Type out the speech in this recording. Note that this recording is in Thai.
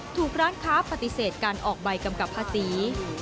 ถูกร้านค้าปฏิเสธการออกใบกำกับภาษี